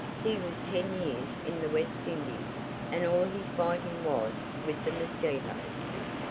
He was ten years in the West Indies, and all his fighting was with the mosquitoes."